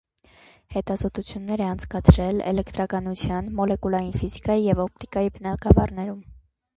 Հետազոտություններ է անցկացրել էլեկտրականության, մոլեկուլային ֆիզիկայի և օպտիկայի բնագավառներում։